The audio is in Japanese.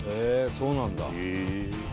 そうなんだ。